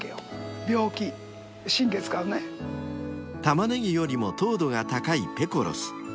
［タマネギよりも糖度が高いペコロス］